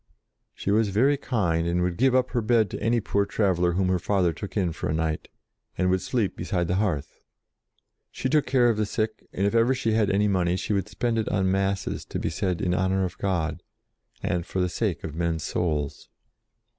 She was very kind, and would give up her bed to any poor i ing garlands on the fairy ouk HER CHILDHOOD 9 traveller whom her father took in for a night, and would sleep beside the hearth. She took care of the sick, and, if ever she had any money, she would spend it on Masses to be said in honour of God, and for the sake of men's souls.